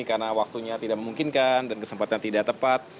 karena waktunya tidak memungkinkan dan kesempatan tidak tepat